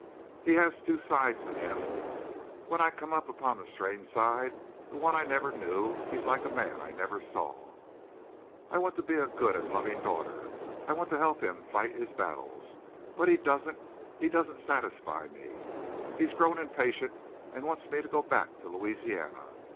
He has two sides to him. When I come upon that strange side, the one I never knew, he's like a man I never saw. "I want to be a good and loving daughter. I want to help him fight his battles. But he doesn't he doesn't satisfy me. He's grown impatient and wants me to go back to Louisiana.